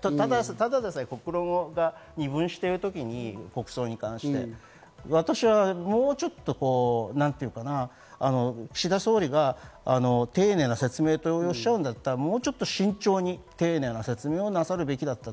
ただでさえ国論が二分しているときに国葬に関して私はもうちょっとなんというか岸田総理が丁寧な説明とおっしゃるんだったら、もっと慎重に丁寧な説明をなさるべきだと。